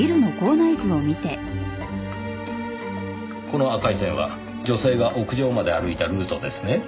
この赤い線は女性が屋上まで歩いたルートですね？